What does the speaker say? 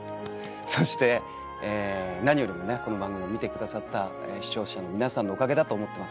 そして何よりもねこの番組を見てくださった視聴者の皆さんのおかげだと思ってます。